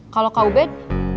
kalau kak ubed